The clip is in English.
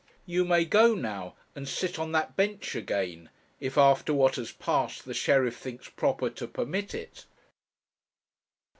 You may go now, and sit on that bench again, if, after what has passed, the sheriff thinks proper to permit it.'